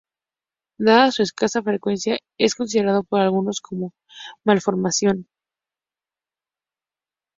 Dada su escasa frecuencia es considerado por algunos como una malformación.